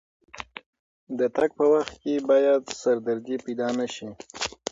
د تګ په وخت کې باید سردردي پیدا نه شي.